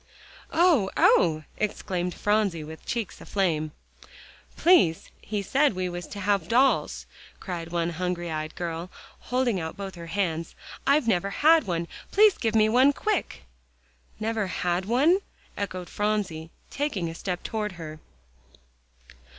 "Oh oh!" exclaimed Phronsie with cheeks aflame. "Please, he said we was to have dolls," cried one hungry eyed girl, holding out both her hands. "I've never had one. Please give me one quick." "Never had one?" echoed Phronsie, taking a step toward her.